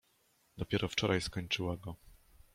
Dopiero wczoraj skończyła go.